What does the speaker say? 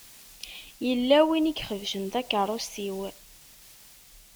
Yella win i ixebcen takeṛṛust-iw.